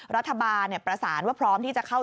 รัฐบาลประสานว่าพร้อมที่จะเข้า